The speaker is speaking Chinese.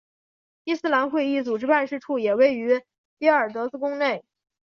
伊斯兰会议组织办事处也位于耶尔德兹宫内。